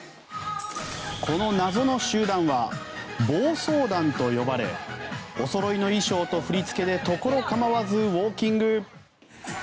この謎の集団は暴走団と呼ばれおそろいの衣装と振り付けで所構わずウォーキング。